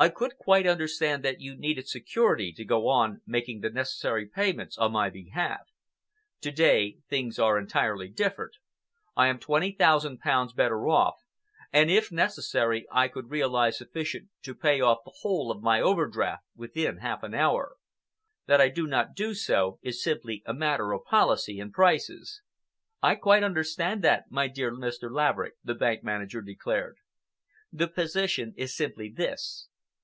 I could quite understand that you needed security to go on making the necessary payments on my behalf. To day, things are entirely different. I am twenty thousand pounds better off, and if necessary I could realize sufficient to pay off the whole of my overdraft within half an hour. That I do not do so is simply a matter of policy and prices." "I quite understand that, my dear Mr. Laverick," the bank manager declared. "The position is simply this.